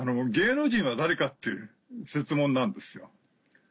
「芸能人は誰か？」っていう設問なんですよ。